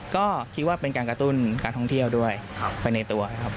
ก็คิดว่าเป็นการกระตุ้นการท่องเที่ยวด้วยไปในตัวครับ